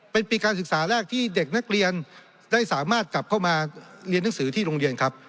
เป็นปีการศึกษาแรกที่เด็กนักเรียนได้สามารถกลับเข้ามาเรียนหนังสือที่โรงเรียนครับ